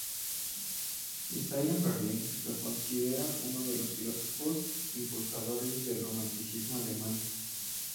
Isaiah Berlin lo considera uno de los filósofos impulsores del Romanticismo alemán.